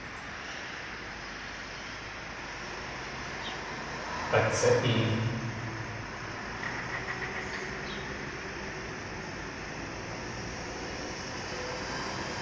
At sa.ée.